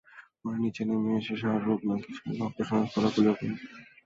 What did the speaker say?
পরে নিচে নেমে এসে শাহরুখ নাকি সেই ভক্তের সঙ্গে কোলাকুলিও করেন।